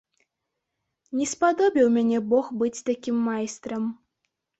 Не спадобіў мяне бог быць такім майстрам.